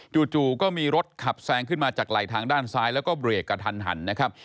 จู่ก็มีรถขับแซงขึ้นมาจากไหลทางด้านซ้ายแล้วก็เบรกกระทันหันนะครับ